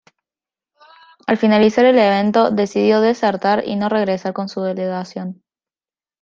Al finalizar el evento decidió "desertar" y no regresar con su delegación.